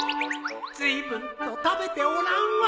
ずいぶんと食べておらんわい。